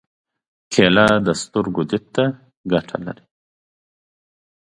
کېله د سترګو دید ته ګټه لري.